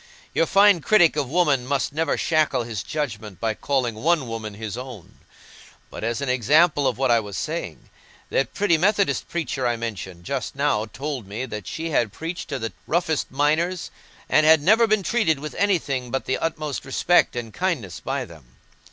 Your fine critic of woman must never shackle his judgment by calling one woman his own. But, as an example of what I was saying, that pretty Methodist preacher I mentioned just now told me that she had preached to the roughest miners and had never been treated with anything but the utmost respect and kindness by them.